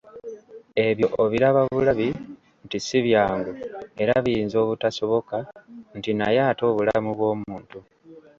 Ebyo obiraba bulabi nti si byangu, era biyinza obutasoboka nti naye ate obulamu bw'omuntu?